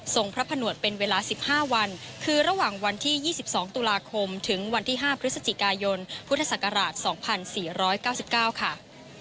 พระผนวดเป็นเวลา๑๕วันคือระหว่างวันที่๒๒ตุลาคมถึงวันที่๕พฤศจิกายนพุทธศักราช๒๔๙๙ค่ะ